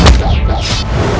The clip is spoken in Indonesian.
mereka semua berpikir seperti itu